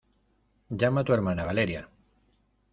llama a tu hermana. ¡ Valeria!